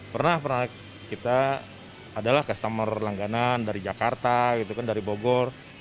pernah pernah kita adalah customer langganan dari jakarta gitu kan dari bogor